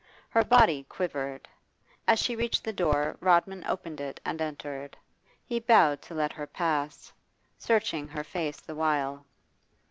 Her body quivered. As she reached the door Rodman opened it and entered. He bowed to let her pass, searching her face the while.